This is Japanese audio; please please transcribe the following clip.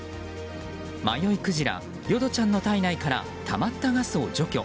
迷いクジラ、淀ちゃんの体内からたまったガスを除去。